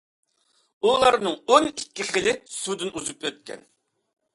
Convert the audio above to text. ئۇلارنىڭ ئون ئىككى خىلى سۇدىن ئۈزۈپ ئۆتكەن.